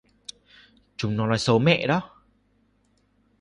Chúng nó nói xấu mẹ đó